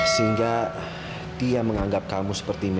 sehingga dia menganggap kamu seperti ini